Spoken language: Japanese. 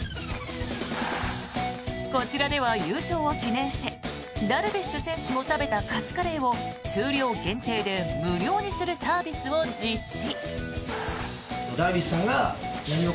こちらでは優勝を記念してダルビッシュ選手も食べたカツカレーを数量限定で無料にするサービスを実施。